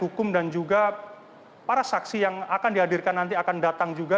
hukum dan juga para saksi yang akan dihadirkan nanti akan datang juga